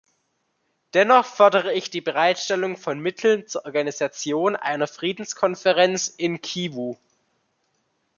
Dennoch fordere ich die Bereitstellung von Mitteln zur Organisierung einer Friedenskonferenz in Kivu.